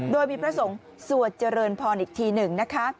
โดยมีพระสงฆ์สวดเจริญพรอีกทีหนึ่งนะคะ